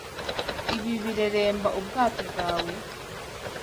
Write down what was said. Ibi bireremba ubwato bwawe?